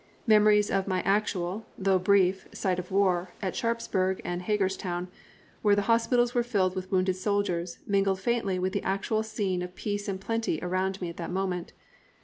Memories of my actual, though brief, sight of war, at Sharpsburg and Hagerstown, where the hospitals were filled with wounded soldiers, mingled faintly with the actual scene of peace and plenty around me at that moment.